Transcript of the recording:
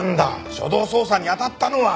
初動捜査に当たったのは。